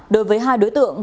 đối với hai đối tượng